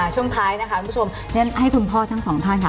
ช่วงท้ายนะคะคุณผู้ชมให้คุณพ่อทั้งสองท่านค่ะ